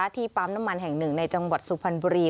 ปั๊มน้ำมันแห่งหนึ่งในจังหวัดสุพรรณบุรี